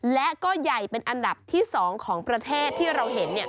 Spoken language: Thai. และยัยเป็นอันดับที่สองของประเทศที่เราเห็น